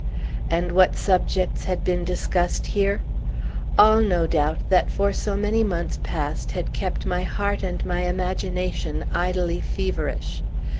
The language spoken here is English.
And what subjects had been discussed here? All, no doubt, that for so many months past had kept my heart and my imagination idly feverish.